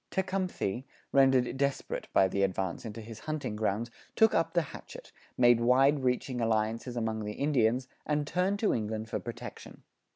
Tecumthe, rendered desperate by the advance into his hunting grounds, took up the hatchet, made wide reaching alliances among the Indians, and turned to England for protection.